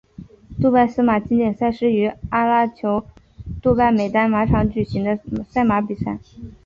杜拜司马经典赛是于阿联酋杜拜美丹马场举行的赛马比赛。